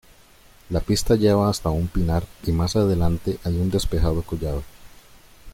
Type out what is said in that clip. La pista lleva hasta un pinar y más adelante hay un despejado collado.